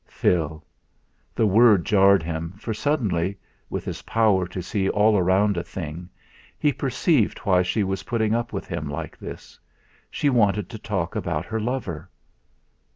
Phil! The word jarred him, for suddenly with his power to see all round a thing, he perceived why she was putting up with him like this. She wanted to talk about her lover!